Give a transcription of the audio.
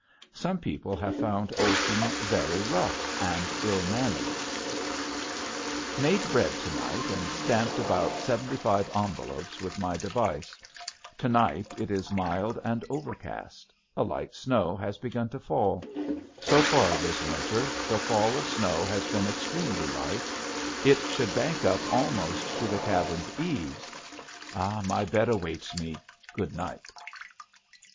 Some people have found Olson very rough and ill mannered. [Illustration: FOREBODING] Made bread to night and stamped about seventy five envelopes with my device. To night it is mild and overcast. A light snow has begun to fall. So far this winter the fall of snow has been extremely light. It should bank up almost to the cabin's eaves.... My bed awaits me. Good night.